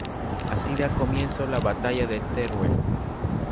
Así da comienzo la batalla de Teruel.